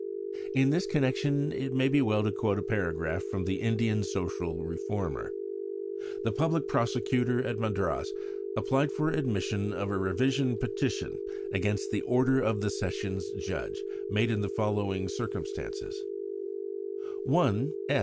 In this connection it may be well to quote a paragraph from the Indian Social Reformer: "The Public Prosecutor at Madras applied for admission of a revision petition against the order of the Sessions Judge, made in the following circumstances: "One, S.